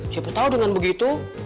siapa tahu dengan begitu